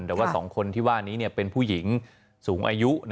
แต่๒คนที่ว่านี้เนี่ยเป็นผู้หญิงสูงอายุ